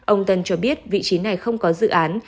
ông tân cho biết vị trí này không có dự án